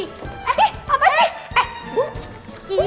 eh apa sih